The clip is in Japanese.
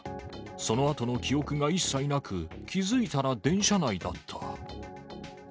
そのあとの記憶が一切なく、気付いたら電車内だった。